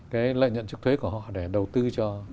cái lợi nhuận trước thuế của họ để đầu tư cho